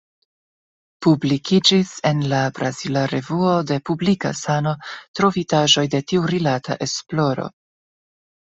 Publikiĝis en la brazila Revuo de Publika Sano trovitaĵoj de tiurilata esploro.